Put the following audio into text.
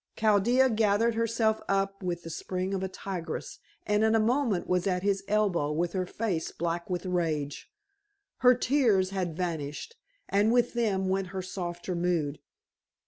Chaldea gathered herself up with the spring of a tigress, and in a moment was at his elbow with her face black with rage. Her tears had vanished and with them went her softer mood.